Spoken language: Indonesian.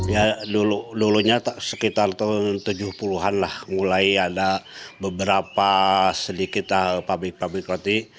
ya dulunya sekitar tahun tujuh puluh an lah mulai ada beberapa sedikit pabrik pabrik roti